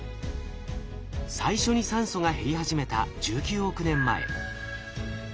最初に酸素が減り始めた１９億年前。